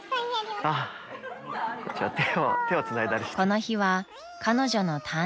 ［この日は彼女の誕生日］